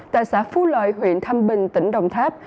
tại xã phú lợi huyện thăng bình tỉnh đồng tháp